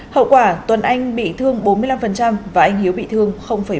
hậu quả tuấn anh bị thương bốn mươi năm và anh hiếu bị thương bảy